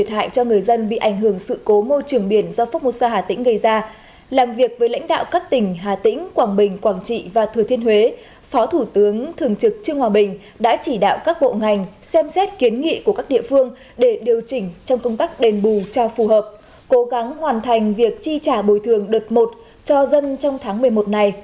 hãy đăng ký kênh để nhận thông tin nhất